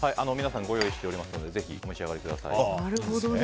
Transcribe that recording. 皆さん、ご用意しておりますのでぜひお召し上がりください。